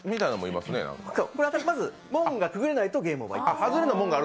まず門がくぐれないとゲームが終わり。